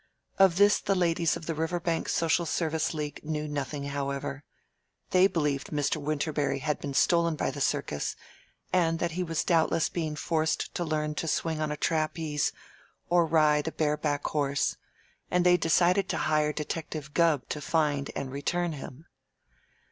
Of this the ladies of the Riverbank Social Service League knew nothing, however. They believed Mr. Winterberry had been stolen by the circus and that he was doubtless being forced to learn to swing on a trapeze or ride a bareback horse, and they decided to hire Detective Gubb to find and return him.